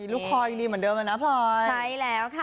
ลูกคอยังดีเหมือนเดิมอ่ะนะพลอยใช่แล้วค่ะ